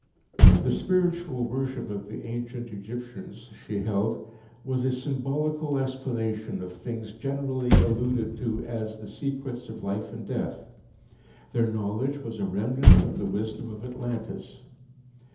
The spiritual worship of the ancient Egyptians, she held, was a symbolical explanation of things generally alluded to as the secrets of life and death; their knowledge was a remnant of the wisdom of Atlantis.